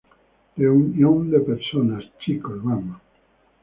Reunión de personal, chicos. Vamos.